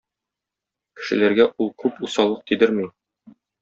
Кешеләргә ул күп усаллык тидерми.